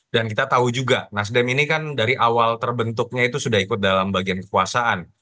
kita tahu juga nasdem ini kan dari awal terbentuknya itu sudah ikut dalam bagian kekuasaan